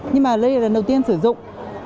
nhưng mà đây là lần đầu tiên sử dụng